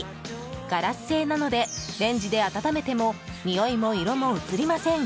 ガラス製なのでレンジで温めてもにおいも色も移りません。